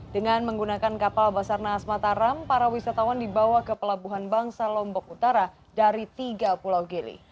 dengan menggunakan kapal basarnas mataram para wisatawan dibawa ke pelabuhan bangsa lombok utara dari tiga pulau gili